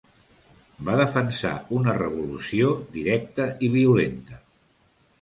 Va defensar una revolució directa i violenta.